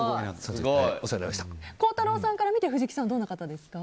孝太郎さんから見て藤木さんどんな方ですか？